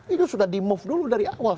itu sudah di move dulu dari awal